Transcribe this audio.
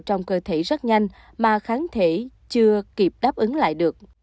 trong cơ thể rất nhanh mà kháng thể chưa kịp đáp ứng lại được